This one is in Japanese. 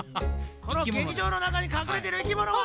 この劇場のなかにかくれてる生き物は？